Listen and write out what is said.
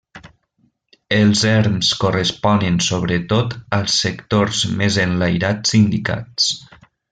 Els erms corresponen sobretot als sectors més enlairats indicats.